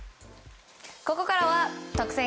ここからは特選！